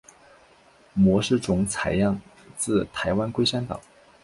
模式种采样自台湾龟山岛。